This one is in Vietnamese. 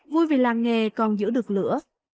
vui vì làng nghề còn giữ được lửa